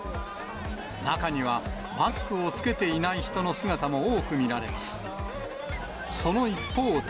中には、マスクを着けていない人の姿も多く見られます。